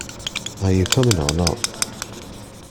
Are you coming or not?